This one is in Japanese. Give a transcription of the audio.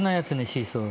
シーソー。